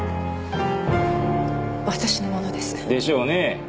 私のものです。でしょうねえ。